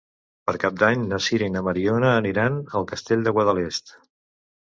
Per Cap d'Any na Sira i na Mariona aniran al Castell de Guadalest.